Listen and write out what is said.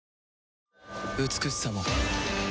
美しさも